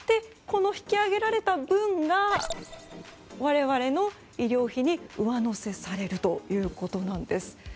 この引き上げれらた分が我々の医療費に上乗せされるということなんです。